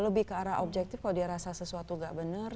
lebih ke arah objektif kalau dia rasa sesuatu nggak benar